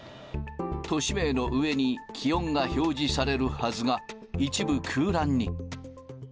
都市名の上に、気温が表示されるはずが、一部空欄に。